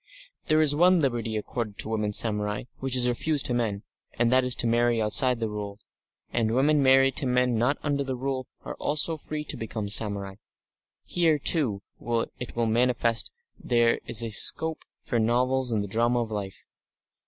There is one liberty accorded to women samurai which is refused to men, and that is to marry outside the Rule, and women married to men not under the Rule are also free to become samurai. Here, too, it will be manifest there is scope for novels and the drama of life.